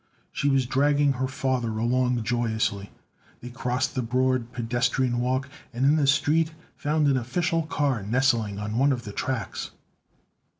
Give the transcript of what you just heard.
She was dragging her father along joyously. They crossed the broad pedestrian walk, and in the street found an official car nestling on one of the tracks.